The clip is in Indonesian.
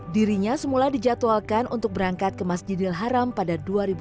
dirinya semula dijadwalkan untuk berangkat ke masjidil haram pada dua ribu dua puluh